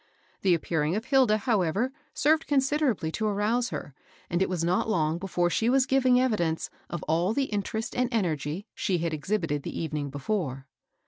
The appearing of Hilda, however, served con siderably to arouse her, and it was not long before fl]be was giving evidence of all the interest and en ^gy she had exhibited the evening before.